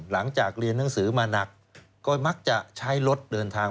หลังจากเรียนหนังสือมาหนักก็มักจะใช้รถเดินทาง